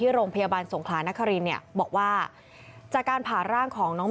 โรงพยาบาลสงขลานครินเนี่ยบอกว่าจากการผ่าร่างของน้อง